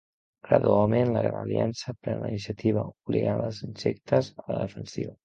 Gradualment, la Gran Aliança pren la iniciativa, obligant els insectes a la defensiva.